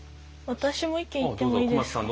私も意見言ってもいいですか？